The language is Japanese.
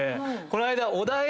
この間。